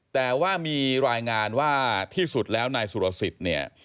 แต่ว่ามีรายงานว่าที่สุดแล้วนายสุรสิทธิ์เนี่ย